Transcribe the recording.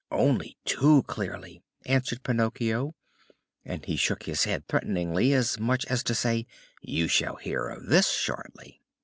"Only too clearly!" answered Pinocchio, and he shook his head threateningly, as much as to say: "You shall hear of this shortly!"